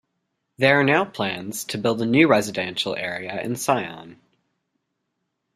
There are now plans to build a new residential area in Sion.